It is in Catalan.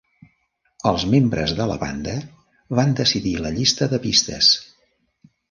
Els membres de la banda van decidir la llista de pistes.